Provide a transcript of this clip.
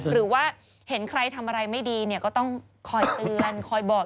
หรือว่าเห็นใครทำอะไรไม่ดีเนี่ยก็ต้องคอยเตือนคอยบอก